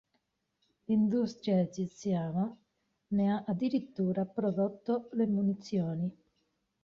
L'industria egiziana ne ha addirittura prodotto le munizioni.